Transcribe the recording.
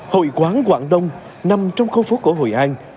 hội quán quảng đông nằm trong khu phố cổ hội an